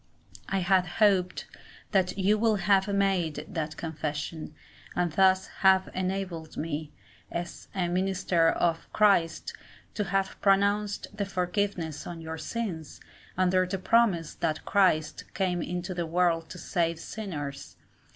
I had hoped that you would have made that confession, and thus have enabled me, as a minister of Christ, to have pronounced the forgiveness of your sins, under the promise that Christ came into the world to save sinners.